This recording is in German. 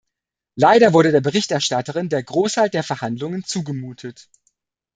Leider wurde der Berichterstatterin der Großteil der Verhandlungen zugemutet.